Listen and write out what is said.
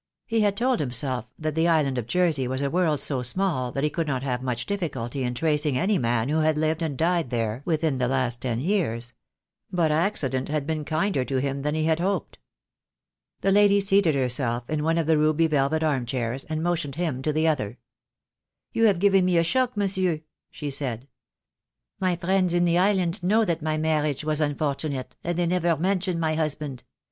He had told himself that the Island of Jersey was a world so small that he could not have much difficulty in tracing any man who had lived and died there within the last ten years; but accident had been kinder to him than he had hoped. The lady seated herself in one of the ruby velvet arm chairs, and motioned him to the other. "You have given me a shock, monsieur," she said. "My friends in the island know that my marriage was unfortunate, and they never mention my husband.